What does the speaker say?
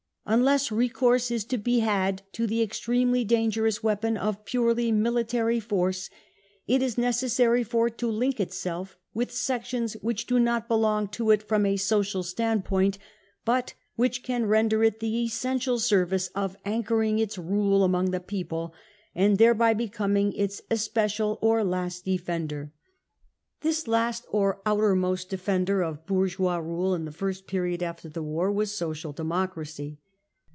Unless recourse is to be had to the extremely dangerous weapon of purely military force, it is necessary for it to link itself with sections which do not belong to it from a social standpoint, but which can render it the essential service of anchoring its rule among the * people, and thereby becoming its special or last de ^ fender. This last or 4 outermost ' defender of bourgeois rule, in the first period after the war,* was Social Democracy.